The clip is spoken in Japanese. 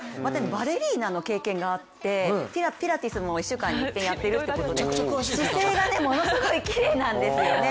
バレリーナの経験があって、ピラティスも１週間に１回やっているということで姿勢がものすごくきれいなんですよね。